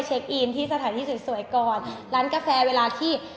เราถ่ายที่สวยก่อนร้านกาแฟเวลาที่